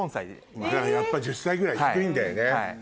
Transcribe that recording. やっぱ１０歳ぐらい低いんだよね。